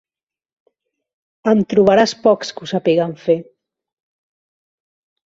En trobaràs pocs que ho sàpiguen fer.